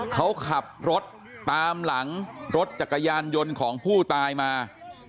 เขาขับรถตามหลังรถจักรยานยนต์ของผู้ตายมา